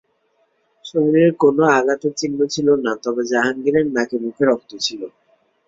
শরীরের কোনো আঘাতের চিহ্ন ছিল না, তবে জাহাঙ্গীরের নাক-মুখে রক্ত ছিল।